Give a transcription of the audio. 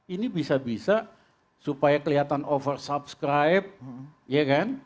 ini bisa bisa supaya kelihatan oversubscribe ya kan